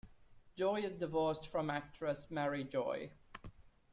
Joy is divorced from actress Mary Joy.